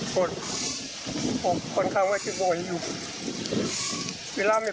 โคตรค่อนข้างจะโปรตคือแบบนี้